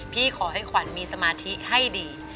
ขอให้ขวัญมีสมาธิให้ดี